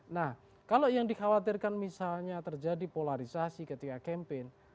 nah kalau yang dikhawatirkan misalnya terjadi polarisasi ketika campaign